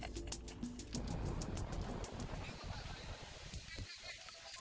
jangan panjuk pacet ya emang